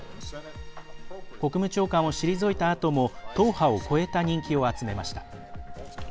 国務長官を退いたあとも党派を超えた人気を集めました。